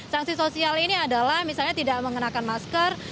sanksi sosial ini adalah misalnya tidak mengenakan masker